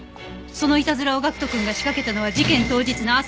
そのイタズラを岳人くんが仕掛けたのは事件当日の朝です。